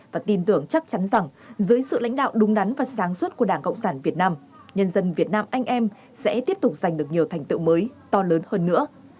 và tin tưởng chắc chắn rằng dưới sự lãnh đạo đúng đắn và sáng suốt của đảng cộng sản việt nam nhân dân việt nam anh em sẽ tiếp tục giành được nhiều thành tựu mới to lớn hơn nữa